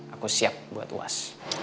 aku siap buat uas